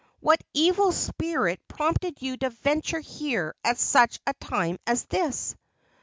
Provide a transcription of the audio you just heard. "What evil spirit prompted you to venture here at such a time as this?"